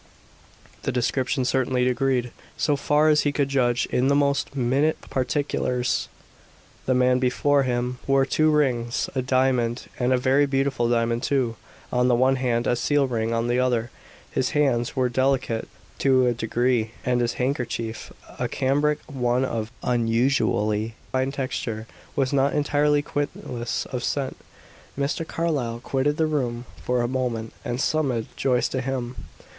The description certainly agreed, so far as he could judge, in the most minute particulars. The man before him wore two rings, a diamond and a very beautiful diamond too on the one hand; a seal ring on the other; his hands were delicate to a degree, and his handkerchief, a cambric one of unusually fine texture, was not entirely guiltless of scent. Mr. Carlyle quitted the room for a moment and summoned Joyce to him.